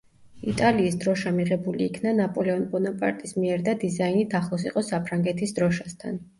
იტალიის დროშა მიღებული იქნა ნაპოლეონ ბონაპარტის მიერ და დიზაინით ახლოს იყო საფრანგეთის დროშასთან.